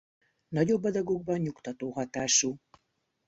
Nagyobb adagokban nyugtató hatású.